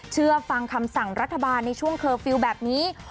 เชื่อฟังคำสั่งรัฐบาลในช่วงเคอร์ฟิลล์แบบนี้